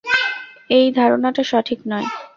এই ধারণাটা সঠিক নয়।